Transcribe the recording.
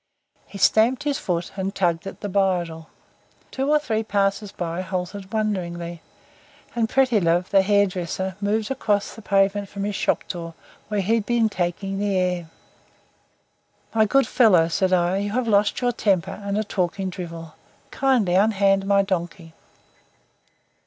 He stamped his foot and tugged at the bridle. Two or three passers by halted wonderingly and Prettilove, the hairdresser, moved across the pavement from his shop door where he had been taking the air. "My good fellow," said I, "you have lost your temper and are talking drivel. Kindly unhand my donkey."